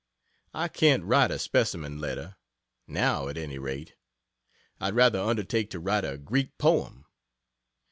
I can't write a specimen letter now, at any rate I'd rather undertake to write a Greek poem.